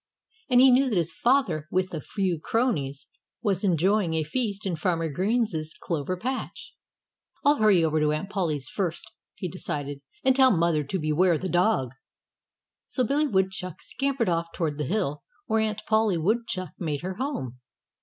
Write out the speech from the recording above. And he knew that his father, with a few cronies, was enjoying a feast in Farmer Green's clover patch. "I'll hurry over to Aunt Polly's first," he decided, "and tell Mother to beware the Dog." So Billy Woodchuck scampered off toward the hill where Aunt Polly Woodchuck made her home.